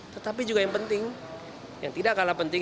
tetapi juga yang penting